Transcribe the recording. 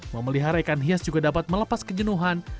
memelihara ikan hias juga dapat melepas kejenuhan